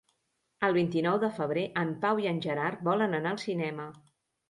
El vint-i-nou de febrer en Pau i en Gerard volen anar al cinema.